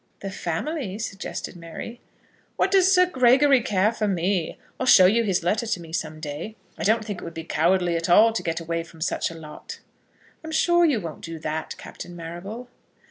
"The family," suggested Mary. "What does Sir Gregory care for me? I'll show you his letter to me some day. I don't think it would be cowardly at all to get away from such a lot." "I am sure you won't do that, Captain Marrable."